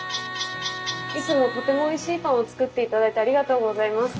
「いつもとてもおいしいパンを作っていただいてありがとうございます。